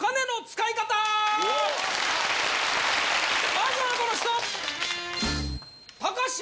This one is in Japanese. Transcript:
まずはこの人！